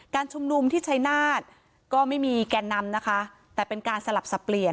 ชุมนุมที่ชัยนาธก็ไม่มีแกนนำนะคะแต่เป็นการสลับสับเปลี่ยน